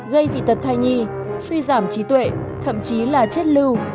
gây dị tật thai nhi suy giảm trí tuệ thậm chí là chết lưu